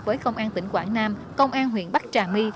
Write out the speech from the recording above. với công an tỉnh quảng nam công an huyện bắc trà my